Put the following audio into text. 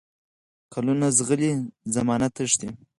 کلونه زغلي، زمانه تښتي